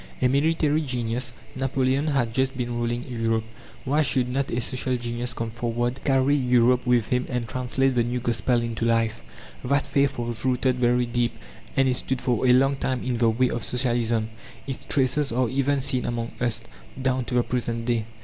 A military genius, Napoleon, had just been ruling Europe. Why should not a social genius come forward, carry Europe with him and translate the new Gospel into life? That faith was rooted very deep, and it stood for a long time in the way of Socialism; its traces are even seen amongst us, down to the present day.